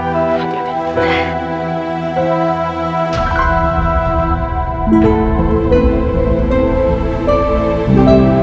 tuhan ya tuhan